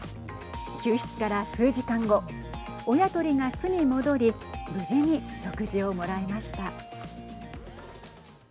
救出から数時間後親鳥が巣に戻り無事に食事をもらいました。